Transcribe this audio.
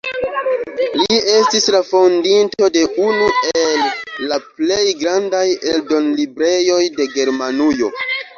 Li estis la fondinto de unu el la plej grandaj eldonlibrejoj de Germanujo.